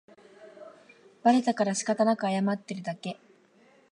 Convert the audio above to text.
バレたからしかたなく謝ってるだけ